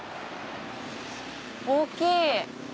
大きい！